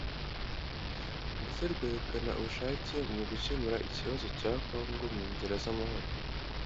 ndetse rwerekana ubushake mu gukemura ikibazo cya Congo mu nzira z’amahoro